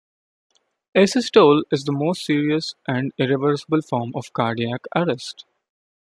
Asystole is the most serious and irreversible form of cardiac arrest.